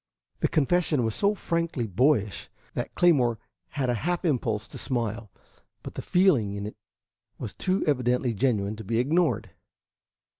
The confession was so frankly boyish that Claymore had a half impulse to smile, but the feeling in it was too evidently genuine to be ignored.